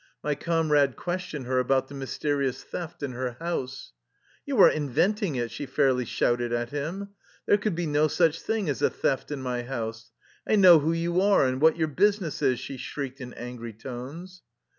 My comrade questioned her about the mysterious theft in her house " You are inventing it !'' she fairly shouted at Mm. " There could be no such thing as a theft in my house. I know who you are and what your business is/' she shrieked in angry tones.